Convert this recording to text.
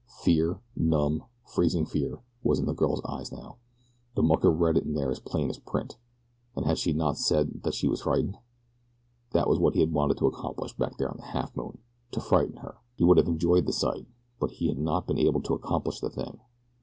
Fear, numb, freezing fear, was in the girl's eyes now. The mucker read it there as plain as print, and had she not said that she was frightened? That was what he had wanted to accomplish back there upon the Halfmoon to frighten her. He would have enjoyed the sight, but he had not been able to accomplish the thing.